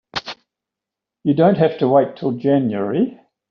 You don't have to wait till January.